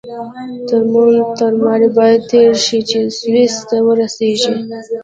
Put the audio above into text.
تر مونټ تاماري باید تېر شئ چې سویس ته ورسیږئ.